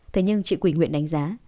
thế nhưng chị quỷ nguyện đánh giá